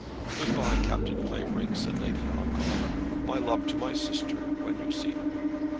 "Good by, Captain Clavering," said Lady Ongar. "My love to my sister when you see her."